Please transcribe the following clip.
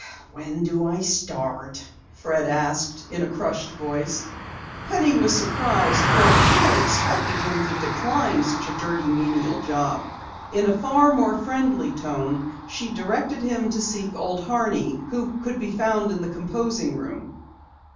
"When do I start?" Fred asked in a crushed voice. Penny was surprised for she had expected him to decline such a dirty, menial job. In a far more friendly tone she directed him to seek Old Horney who would be found in the composing room.